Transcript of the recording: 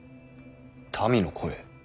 民の声。